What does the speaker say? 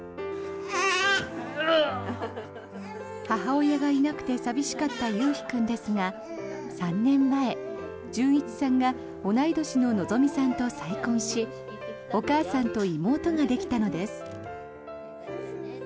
母親がいなくて寂しかった悠陽君ですが３年前、潤一さんが同い年の希望さんと再婚しお母さんと妹ができたのです。